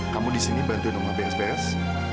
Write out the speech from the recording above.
kamu di sini bantuin rumah bsps